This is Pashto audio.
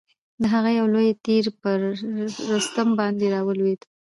د هغه یو لوی تیر پر رستم باندي را ولوېد.